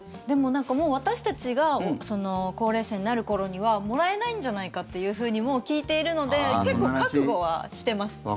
でもなんか、もう私たちが高齢者になる頃にはもらえないんじゃないかというふうにもう聞いているので結構、覚悟はしてます。